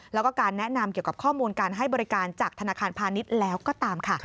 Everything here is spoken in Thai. แล้วก็การแนะนำเกี่ยวกับข้อมูลการให้บริการจากธนาคารพาณิชย์แล้วก็ตามค่ะ